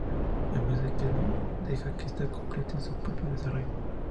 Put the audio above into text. En vez se deja que esta complete su propio desarrollo.